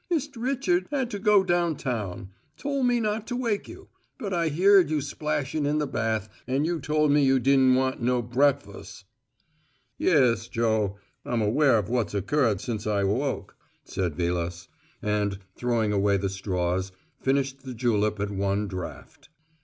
Mist' Richard had to go downtown; tole me not to wake you; but I heerd you splashin' in the bath an' you tole me you din' want no breakfuss " "Yes, Joe, I'm aware of what's occurred since I woke," said Vilas, and, throwing away the straws, finished the julep at one draught.